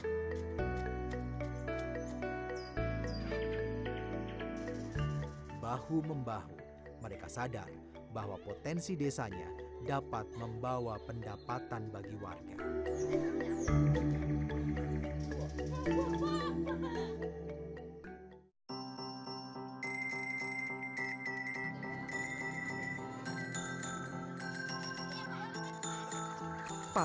seperti hal di setiap sudut pulau dewata warga desa bengkale sadar akan potensi daerahnya sebagai wilayah yang dapat berkembang menjadi desa wisata